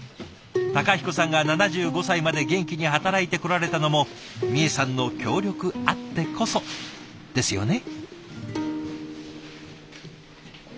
孝彦さんが７５歳まで元気に働いてこられたのもみえさんの協力あってこそですよね？